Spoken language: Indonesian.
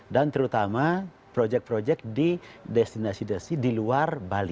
terutama proyek proyek di destinasi destin di luar bali